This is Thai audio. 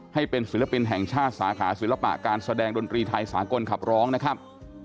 ให้เป็นศิลปินแห่งชาติสาขาศิลปะการแสดงดนตรีไทยสากลขับร้องนะครับ